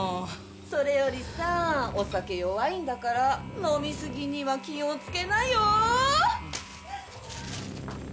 それよりさあお酒弱いんだから飲み過ぎには気をつけなよ